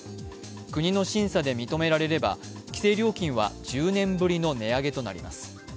国の審査で認められれば規制料金は１０年ぶりの値上げとなります。